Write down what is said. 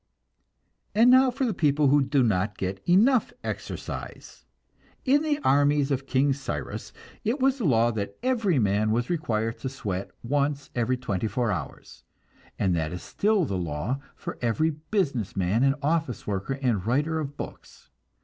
And now for the people who do not get enough exercise. In the armies of King Cyrus it was the law that every man was required to sweat once every twenty four hours, and that is still the law for every business man and office worker and writer of books.